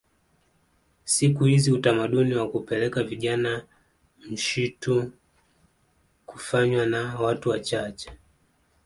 Siku hizi utamaduni wa kupeleka vijana mshitu hufanywa na watu wachache